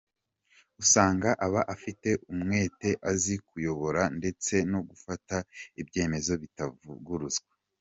Usanga aba afite umwete, azi kuyobora ndetse no gufata ibyemezo bitavuguruzwa.